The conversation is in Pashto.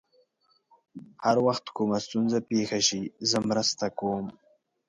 هر وخت کومه ستونزه پېښ شي، زه مرسته کوم.